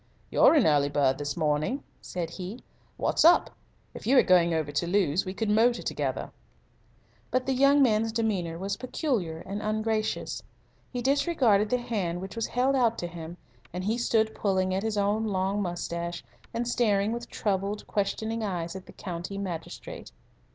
"You're an early bird this morning," said he. "What's up? If you are going over to Lewes we could motor together." But the younger man's demeanour was peculiar and ungracious. He disregarded the hand which was held out to him, and he stood pulling at his own long moustache and staring with troubled, questioning eyes at the county magistrate.